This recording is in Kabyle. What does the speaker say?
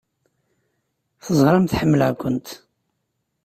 Teẓramt ḥemmleɣ-kent!